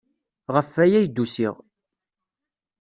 Ɣef waya ay d-usiɣ.